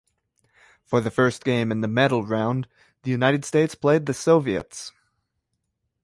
For the first game in the medal round, the United States played the Soviets.